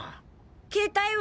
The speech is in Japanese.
携帯は？